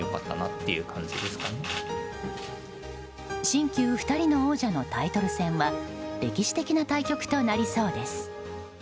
新旧２人の王者のタイトル戦は歴史的な対局となりそうです。